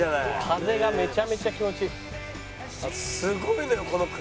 風がめちゃめちゃ気持ちいい。